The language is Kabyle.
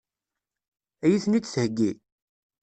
Ad iyi-ten-id-theggi?